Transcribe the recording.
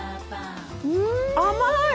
甘い！